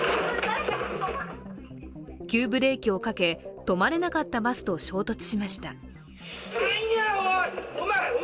急ブレーキをかけ止まれなかったバスと衝突しました。